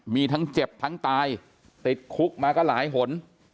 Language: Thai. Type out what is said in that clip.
มีทั้งเจ็บทั้งตายติดคุกมาก็หลายหน